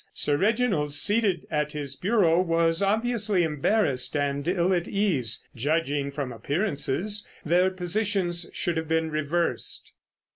Sir Reginald, seated at his bureau, was obviously embarrassed and ill at ease. Judging from appearances their positions should have been reversed.